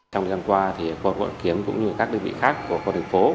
trong gian qua quận hoàn kiếm cũng như các địa vị khác của quốc tế phố